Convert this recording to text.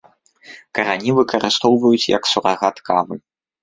Карані выкарыстоўваюць як сурагат кавы.